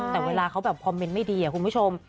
แต่เวลาเขาแบบคอมเมนต์ไม่ดีคุณผู้ชม